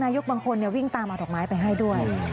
บางคนวิ่งตามเอาดอกไม้ไปให้ด้วย